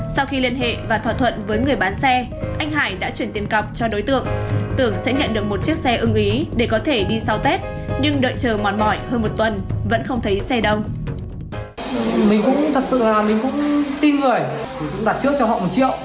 sau khi liên hệ và thỏa thuận với người bán xe anh hải đã chuyển tiền cọc cho đối tượng tưởng sẽ nhận được một chiếc xe ưng ý để có thể đi sau tết nhưng đợi chờ mòn mỏi hơn một tuần vẫn không thấy xe đông